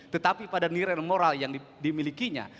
tetapi pada nilai moral yang dimilikinya